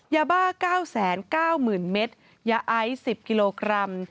ยาบ้า๙๙๐๐๐เมตรยาไอซ์๑๐กิโลกรัม